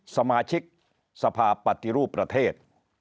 สมาชิกสภาปฏิรูปประเทศ